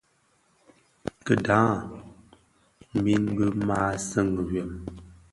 Kidhaň min bi maa seňi wêm.